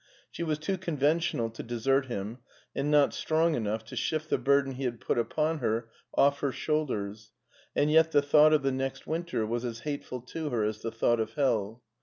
She was too conventional to desert him, and not strong enough to shift the burden he had put upon her oflF her shoulders, and yet the thought of the next winter was as hateful to her as the thought of hell.